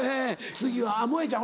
次は萌絵ちゃん